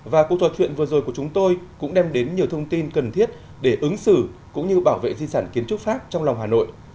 và cuộc trò chuyện vừa rồi của chúng tôi cũng đem đến nhiều thông tin cần thiết để ứng xử cũng như bảo vệ di sản kiến trúc pháp trong lòng hà nội